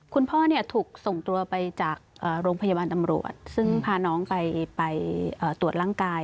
คุณพ่อถูกส่งตัวไปจากโรงพยาบาลตำรวจซึ่งพาน้องไปตรวจร่างกาย